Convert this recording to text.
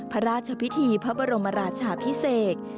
พระราชพิธีพระบรมราชาพิเศษ